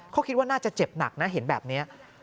เขาคิดว่าน่าจะเจ็บหนักนะเห็นแบบนี้